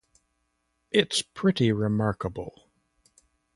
It's pretty remarkable.